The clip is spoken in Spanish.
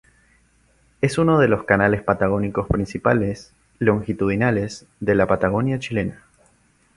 Es uno de los canales patagónicos principales, longitudinales, de la Patagonia chilena.